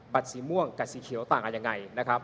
บัตรสีม่วงกับสีเขียวต่างอาจอย่างไรนะครับ